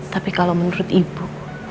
tapi kalau menurut ibu